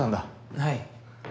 はい。